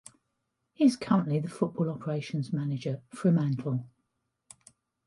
He is currently the football operations manager at Fremantle.